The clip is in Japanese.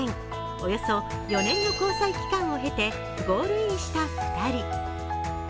およそ４年の交際期間を経てゴールインした２人。